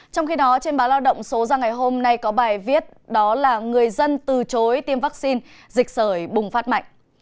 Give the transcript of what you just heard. trong khi đó trên báo lao động số ra ngày hôm nay có bài viết đó là người dân từ chối tiêm vaccine dịch sởi bùng phát mạnh